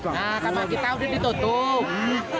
nah karena kita udah ditutup